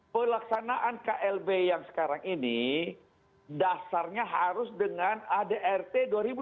pelaksanaan klb yang sekarang ini dasarnya harus dengan adrt dua ribu dua puluh